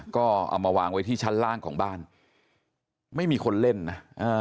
ก็เอามาวางไว้ที่ชั้นล่างของบ้านไม่มีคนเล่นนะ